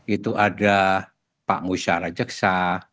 itu ada pak musyara jeksa